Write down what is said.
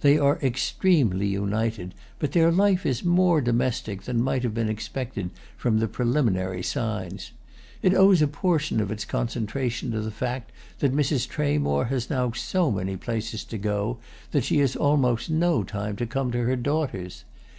They are extremely united, but their life is more domestic than might have been expected from the preliminary signs. It owes a portion of its concentration to the fact that Mrs. Tramore has now so many places to go to that she has almost no time to come to her daughter's.